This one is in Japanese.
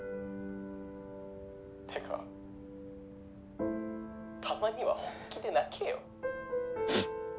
ってかたまには本気で泣けよ。